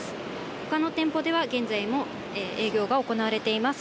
ほかの店舗では現在も営業が行われています。